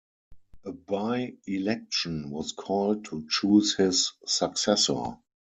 A by-election was called to choose his successor.